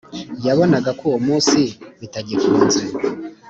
yabonaga ko uwo munsi bitagikunze